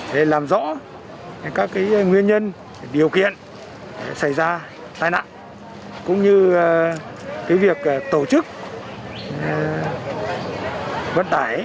để làm rõ các nguyên nhân điều kiện xảy ra tai nạn cũng như việc tổ chức vận tải